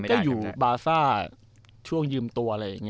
โอ้โห